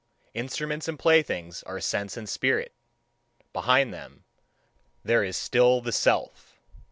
Instruments and playthings are sense and spirit: behind them there is still the Self.